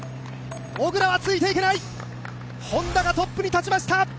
小椋はついていけない、Ｈｏｎｄａがトップに立ちました。